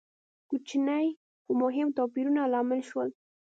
کوچني خو مهم توپیرونه لامل شول.